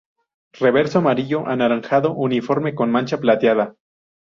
Reverso amarillo-anaranjado uniforme, con mancha plateada.